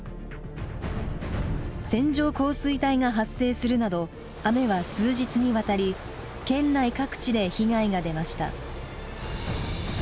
線状降水帯が発生するなど雨は数日にわたり県内各地で被害が出ました。